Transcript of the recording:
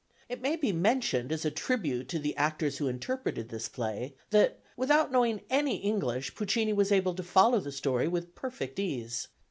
It may be mentioned as a tribute to the actors who interpreted this play, that without knowing any English Puccini was able to follow the story with perfect ease.